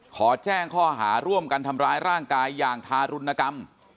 ขอแจ้งข้อหาร่วมกันทำร้ายร่างกายอย่างทารุณกรรม